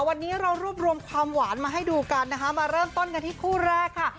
วันนี้เรารวบรวมความหวานมาให้ดูกันนะคะมาเริ่มต้นกันที่คู่แรกค่ะ